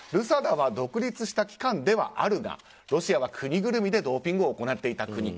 ＲＵＳＡＤＡは独立した機関ではあるがロシアは国ぐるみでドーピングを行っていた国。